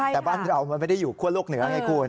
แต่บ้านเรามันไม่ได้อยู่คั่วโลกเหนือไงคุณ